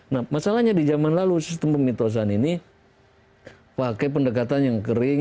nah masalahnya di zaman lalu sistem pemitosan ini pakai pendekatan yang kering